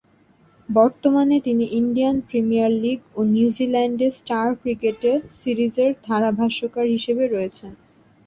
বর্তমানে তিনি Indian Premier League ও নিউজিল্যান্ডে স্টার ক্রিকেটে সিরিজের ধারাভাষ্যকার হিসেবে রয়েছেন।